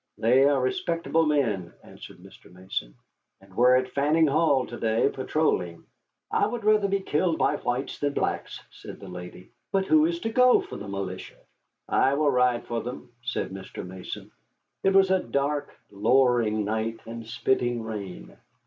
"They are respectable men," answered Mr. Mason, "and were at Fanning Hall to day patrolling." "I would rather be killed by whites than blacks," said the lady. "But who is to go for the militia?" "I will ride for them," said Mr. Mason. It was a dark, lowering night, and spitting rain.